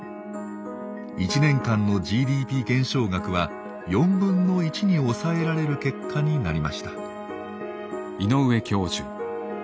１年間のＧＤＰ減少額は４分の１に抑えられる結果になりました。